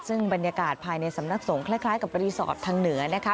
ซึ่งบรรยากาศภายในสำนักสงฆ์คล้ายกับรีสอร์ททางเหนือนะคะ